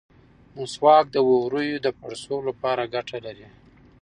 مسواک د ووریو د پړسوب لپاره ګټه لري.